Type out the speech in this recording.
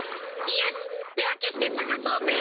よしってわけしてさがそうぜ。